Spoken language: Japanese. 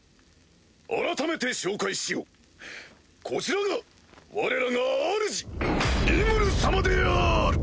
改めて紹介しようこちらがわれらがあるじリムル様である！